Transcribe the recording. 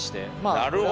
なるほど。